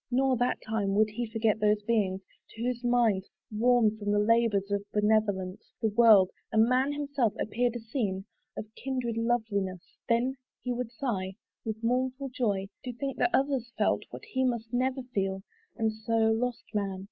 Nor, that time, Would he forget those beings, to whose minds, Warm from the labours of benevolence, The world, and man himself, appeared a scene Of kindred loveliness: then he would sigh With mournful joy, to think that others felt What he must never feel: and so, lost man!